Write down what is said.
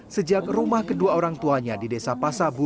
sejak rumah kedua orang tuanya di desa pasabu